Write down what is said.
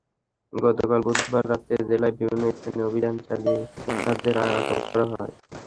গতকাল বুধবার রাতে জেলার বিভিন্ন স্থানে অভিযান চালিয়ে তাঁদের আটক করা হয়।